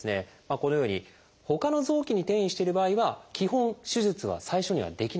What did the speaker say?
このようにほかの臓器に転移してる場合は基本手術は最初にはできないんですね。